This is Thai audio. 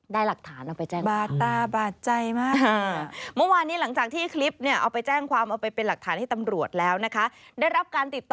ได้หลักฐานเอาไปแจ้งความนะครับ